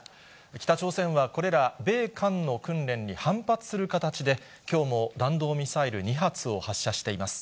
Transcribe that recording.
北朝鮮はこれら米韓の訓練に反発する形で、きょうも弾道ミサイル２発を発射しています。